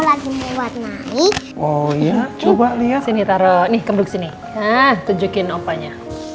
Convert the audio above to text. lagi warnai oh ya coba lihat sini taruh nih kembali sini nah tunjukin opanya